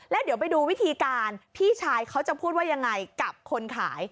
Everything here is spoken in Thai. แล้วเดี๋ยวไปดูวิธีการพี่ชายเขาจะพูดว่ายังไงกับคนขาย